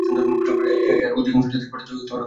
এর অধিকাংশ প্রজাতির উৎপত্তি দক্ষিণ-পশ্চিম এশিয়ায়।